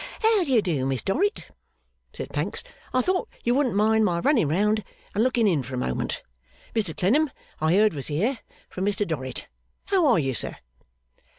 'How d'ye do, Miss Dorrit?' said Pancks. 'I thought you wouldn't mind my running round, and looking in for a moment. Mr Clennam I heard was here, from Mr Dorrit. How are you, Sir?